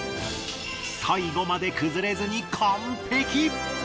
最後まで崩れずに完璧。